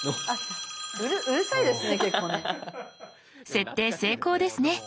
設定成功ですね。